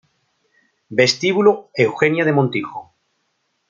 Vestíbulo Eugenia de Montijo